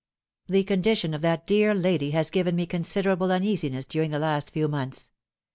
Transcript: The condition of that dear lady has given me considerable uneasiness during the last few months.